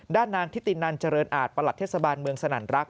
ด้านนางทิตินันเจริญอาจประหลัดเทศบาลเมืองสนั่นรัก